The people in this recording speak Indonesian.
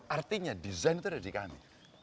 artinya desain itu ada di kami